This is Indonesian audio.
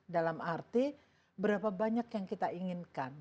dalam arti berapa banyak yang kita inginkan